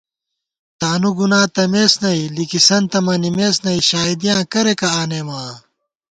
تانُو گُنا تمېس نئ، لِکِسنتہ منِمېس نئ، شائیدیاں کریَکہ آنېمہ آں